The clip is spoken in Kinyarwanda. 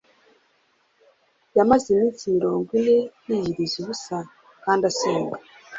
Yamaze iminsi mirongo ine yiyiriza ubusa kandi asenga